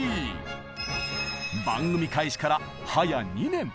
番組開始からはや２年！